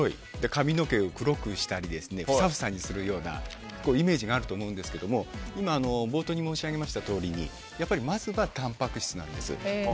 髪の毛を黒くしたりふさふさにするようなイメージがあると思うんですけど冒頭に申しあげましたとおりにまずはたんぱく質なんです。